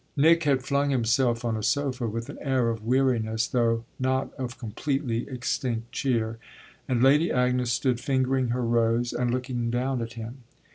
Nick had flung himself on a sofa with an air of weariness, though not of completely extinct cheer; and Lady Agnes stood fingering her rose and looking down at him.